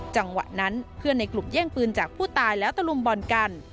จังหวะนั้นเพื่อนในกลุ่มแย่งปืนจากผู้ตายแล้วตะลุมบอลกัน